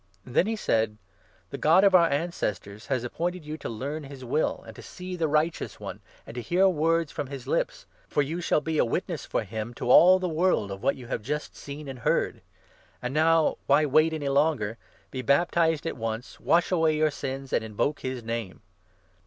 Then he 14 said ' The God of our ancestors has appointed you to learn his will, and to see the Righteous One, and to hear words from his lips ; for you shall be a witness for him to all the world of what 15 you have just seen and heard. And now why wait any longer? 16 Be baptized at once, wash away your sins, and invoke his Name.